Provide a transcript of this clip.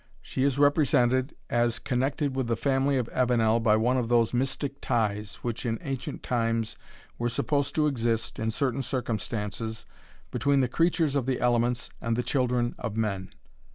She is represented as connected with the family of Avenel by one of those mystic ties, which, in ancient times, were supposed to exist, in certain circumstances, between the creatures of the elements and the children of men.